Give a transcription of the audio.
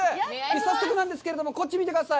早速なんですけれども、こっち見てください。